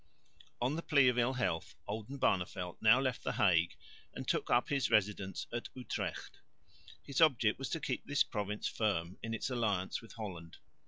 On the plea of ill health Oldenbarneveldt now left the Hague, and took up his residence at Utrecht. His object was to keep this province firm in its alliance with Holland.